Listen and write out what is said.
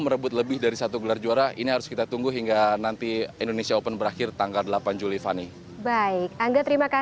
menjualje kawatus bagian tujuh karakter terua jalan yang menjanjikan regulon mudah diri anda